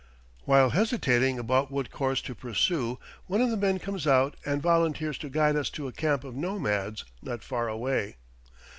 While hesitating about what course to pursue, one of the men comes out and volunteers to guide us to a camp of nomads not far away.